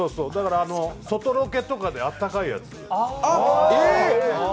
外ロケとかであったかいやつ。